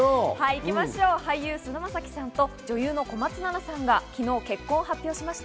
俳優・菅田将暉さんと女優の小松菜奈さんが昨日、結婚を発表しました。